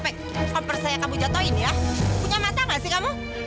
kompor saya kamu jatohin ya punya mata gak sih kamu